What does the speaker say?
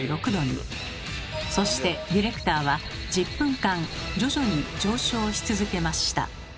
そしてディレクターは１０分間徐々に上昇し続けました。